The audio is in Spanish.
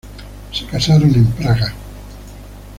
Se casaron en Praga.